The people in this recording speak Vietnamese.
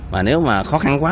và nếu mà khó khăn quá